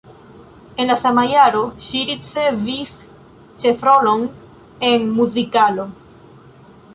En la sama jaro ŝi ricevis ĉefrolon en muzikalo.